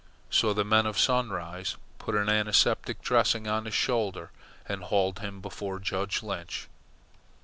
So the men of Sunrise put an antiseptic dressing on his shoulder and haled him before Judge Lynch.